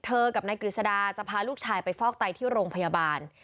กับนายกฤษดาจะพาลูกชายไปฟอกไตที่โรงพยาบาล